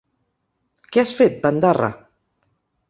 ¿Què has fet, bandarra?